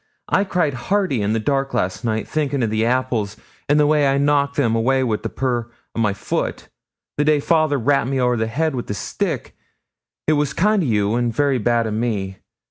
I cried hearty in the dark last night, thinkin' o' the apples, and the way I knocked them awa' wi' a pur o' my foot, the day father rapped me ower the head wi' his stick; it was kind o' you and very bad o' me.